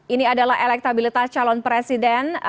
ini adalah elektabilitas calon presiden